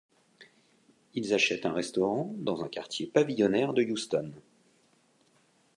Ils achêtent un restaurant dans un quartier pavillonnaire de Houston.